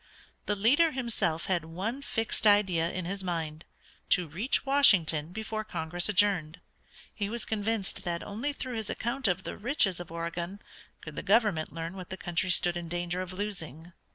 The leader himself had one fixed idea in his mind, to reach Washington before Congress adjourned. He was convinced that only through his account of the riches of Oregon could the government learn what the country stood in danger of losing.